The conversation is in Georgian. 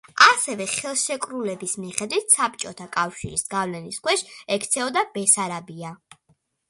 ასევე ხელშეკრულების მიხედვით საბჭოთა კავშირის გავლენის ქვეშ ექცეოდა ბესარაბია.